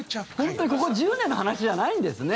本当にここ１０年の話じゃないんですね。